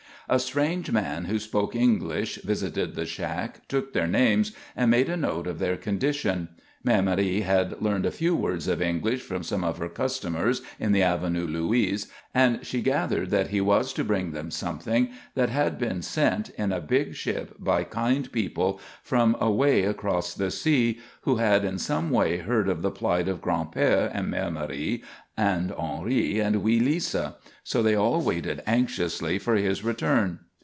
A strange man who spoke English visited the shack, took their names, and made a note of their condition. Mère Marie had learned a few words of English from some of her customers in the Avenue Louise, and she gathered that he was to bring them something that had been sent in a big ship by kind people from away across the sea who had in some way heard of the plight of Gran'père and Mère Marie and Henri and wee Lisa. So they all waited anxiously for his return.